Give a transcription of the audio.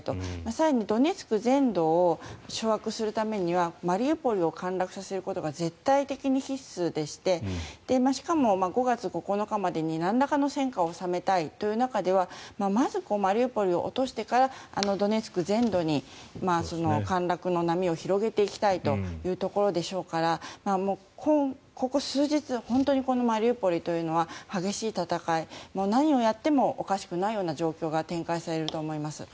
更に、ドネツク全土を掌握するためにはマリウポリを陥落させることが絶対的に必須でしてしかも、５月９日までになんらかの戦果を収めたいというところではまずマリウポリを落としてからドネツク全土に陥落の波を広げていきたいというところでしょうからここ数日は本当にマリウポリというのは激しい戦い何をやってもおかしくない状況が展開されると思います。